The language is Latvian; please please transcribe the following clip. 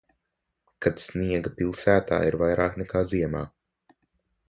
Kad sniega pilsētā ir vairāk nekā ziemā.